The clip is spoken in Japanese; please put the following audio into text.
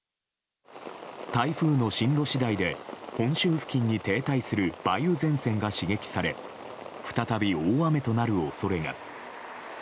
台風の進路次第で本州付近に停滞する梅雨前線が刺激され再び大雨となる恐れが。